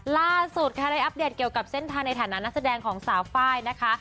ล่าสุดค่ะได้อัปเดตเกี่ยวกับเส้นทางในฐานะนักแสดงของสาวไฟล์นะคะ